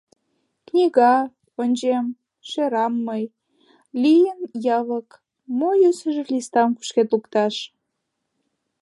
Книга, ончем, шерам мый, лийын явык Мо йӧсыжӧ листам кушкед лукташ!